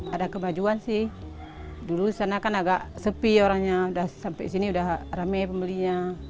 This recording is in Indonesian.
ada kemajuan sih dulu sana kan agak sepi orangnya sampai sini udah rame pembelinya